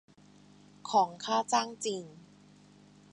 ของค่าจ้างจริง